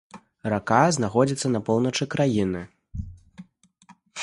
Рака знаходзіцца на поўначы краіны.